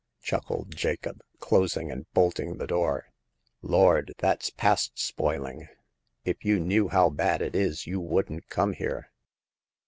" chuckled Jacob, closing and bolting the door. " Lord ! that's past spoiling. If you knew how bad it is, you wouldn't come here."